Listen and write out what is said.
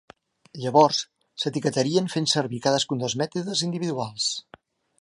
Llavors, s'etiquetarien fent servir cadascun dels mètodes individuals.